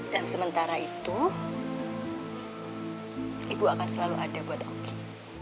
dan sementara itu ibu akan selalu ada buat oh ki